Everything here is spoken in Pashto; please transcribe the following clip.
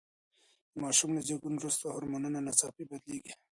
د ماشوم له زېږون وروسته هورمونونه ناڅاپي بدلیږي.